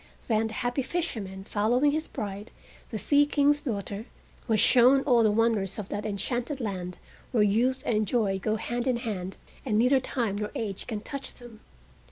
Then the happy fisherman, following his bride, the Sea King's daughter, was shown all the wonders of that enchanted land where youth and joy go hand in hand and neither time nor age can touch them.